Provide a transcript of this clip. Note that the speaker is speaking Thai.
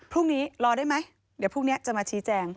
พรุ่งนี้รอได้ไหมเดี๋ยวพรุ่งนี้จะมาชี้แจง